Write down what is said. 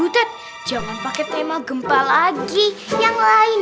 butet jangan pakai tema gempa lagi yang lain